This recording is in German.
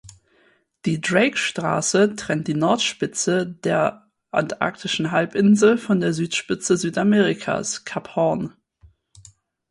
Die Drakestraße trennt die Nordspitze dar Antarktischen Halbinsel von der Südspitze Südamerikas (Kap Hoorn).